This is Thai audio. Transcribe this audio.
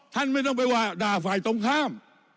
ท่านไม่ต้องไปว่าด่าฝ่ายตรงข้าม